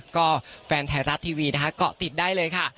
ก็แฟนไทยรัฐทีวีนะคะเกาะติดได้เลยค่ะ